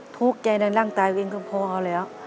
ทุกข์ใจดังตายตัวเองก็พอแล้ว